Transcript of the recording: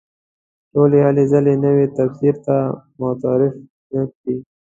ټولې هلې ځلې نوي تفسیر ته معطوف نه کړي.